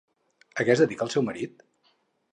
A què es dedicava el seu marit?